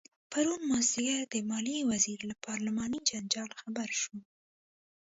پرون مازدیګر د مالیې وزیر له پارلماني جنجال خبر شو.